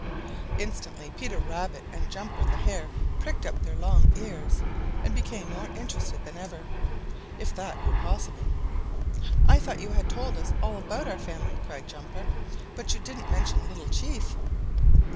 Instantly Peter Rabbit and Jumper the Hare pricked up their long ears and became more interested than ever, if that were possible. "I thought you had told us all about our family," cried Jumper, "but you didn't mention Little Chief."